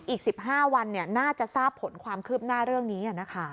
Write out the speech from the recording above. อีก๑๕วันน่าจะทราบผลความคืบหน้าเรื่องนี้